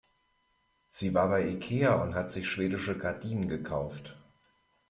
Sie war bei Ikea und hat sich schwedische Gardinen gekauft.